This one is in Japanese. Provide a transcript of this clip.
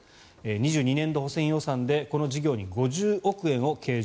２２年度補正予算でこの事業に５０億円を計上。